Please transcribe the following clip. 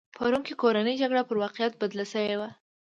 په روم کې کورنۍ جګړه پر واقعیت بدله شوې وه.